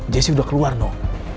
jaycee udah keluar noh